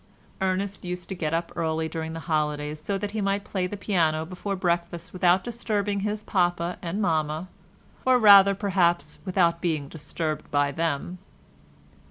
Ernest used to get up early during the holidays so that he might play the piano before breakfast without disturbing his papa and mamma—or rather, perhaps, without being disturbed by them.